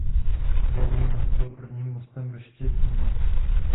Dlouhý most byl prvním mostem ve Štětíně.